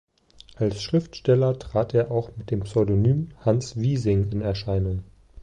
Als Schriftsteller trat er auch mit dem Pseudonym Hans Wiesing in Erscheinung.